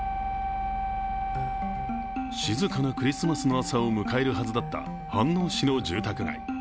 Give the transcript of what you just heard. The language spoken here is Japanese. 静かなクリスマスの朝を迎えるはずだった飯能市の住宅街。